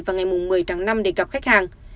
vào ngày một mươi tháng năm để gặp khách hàng